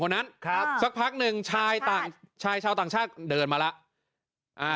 นั้นครับสักพักหนึ่งชายต่างชายชาวต่างชาติเดินมาแล้วอ่า